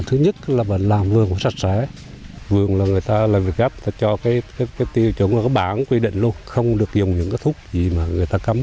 thứ nhất là làm vườn sạch sẽ vườn là người ta gắp người ta cho tiêu chuẩn bản quy định luôn không được dùng những thúc gì mà người ta cấm